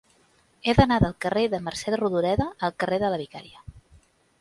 He d'anar del carrer de Mercè Rodoreda al carrer de la Vicaria.